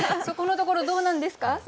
そこのところどうなんですか？